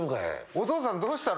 お父さんどうしたの？